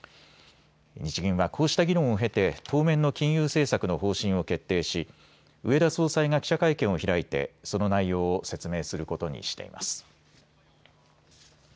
日銀はこうした議論を経て当面の金融政策の方針を決定し植田総裁が記者会見を開いてその内容を説明することにしています。